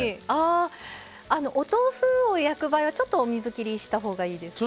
お豆腐を焼く場合はちょっと水切りをいいですか？